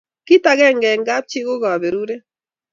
kit akenge eng kap chi ko kaberuret.